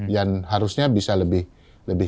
yang harusnya bisa lebih